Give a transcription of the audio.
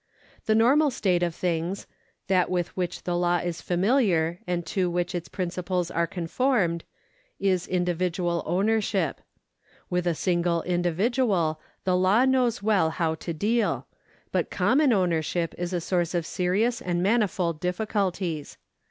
The normal state of things — that with which the law is familiar, and to which its principles are conformed — is individual ownership. With a single individual the law knows well how to deal, but common ownership is a source of serious and manifold difficulties.